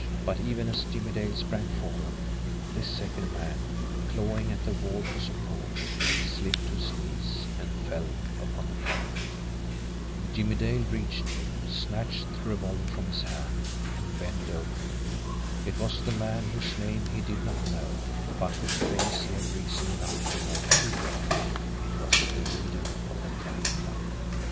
But even as Jimmie Dale sprang forward, this second man, clawing at the wall for support, slipped to his knees and fell upon the carpet. Jimmie Dale reached him, snatched the revolver from his hand, and bent over him. It was the man whose name he did not know, but whose face he had reason enough to know too well it was the leader of the Crime Club.